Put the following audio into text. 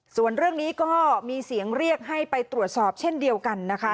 ส่วนเรื่องนี้ก็มีเสียงเรียกให้ไปตรวจสอบเช่นเดียวกันนะคะ